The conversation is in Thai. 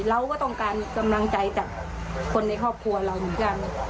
เราก็ต้องการกำลังใจจากคนในครอบครัวเราเหมือนกัน